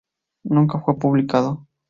Nunca fue publicado.